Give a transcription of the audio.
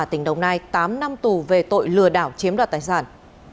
thăm tù về tội lừa đảo chiếm đoạt tài sản